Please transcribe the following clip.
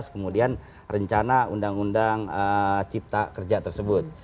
kemudian rencana undang undang cipta kerja tersebut